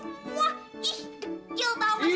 ih degil tau gak sih